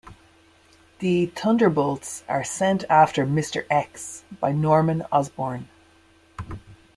The Thunderbolts are sent after Mister X by Norman Osborn.